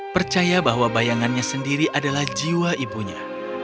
percaya bahwa bayangannya sendiri adalah jiwa ibunya